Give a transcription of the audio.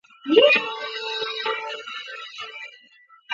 店址位于中山六路。